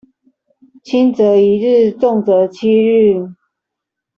輕則一日重則七日